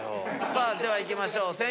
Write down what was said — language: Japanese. さぁではいきましょう。